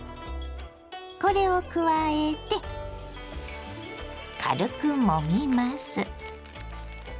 これを加えて軽くもみます。